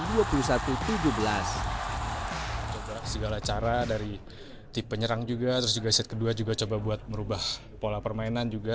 coba segala cara dari tipe nyerang juga set kedua juga coba buat merubah pola permainan juga